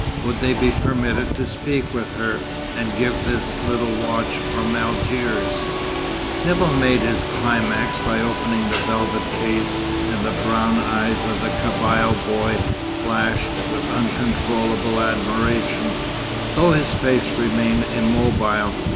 Would they be permitted to speak with her, and give this little watch from Algiers? Nevill made his climax by opening the velvet case, and the brown eyes of the Kabyle boy flashed with uncontrollable admiration, though his face remained immobile.